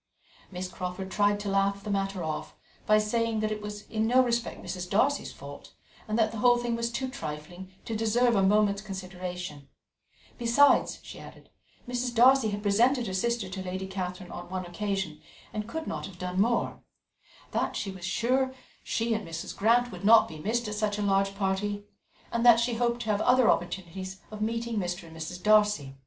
Miss Crawford tried to laugh the matter off by saying that it was in no respect Mrs. Darcy's fault, and that the whole thing was too trifling to deserve a moment's consideration; besides, she added, Mrs. Darcy had presented her sister to Lady Catherine on one occasion, and could not have done more; that she was sure she and Mrs. Grant would not be missed at such a large party, and that she hoped to have other opportunities of meeting Mr. and Mrs. Darcy.